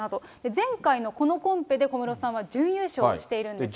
前回のこのコンペで、小室さんは準優勝しているんですね。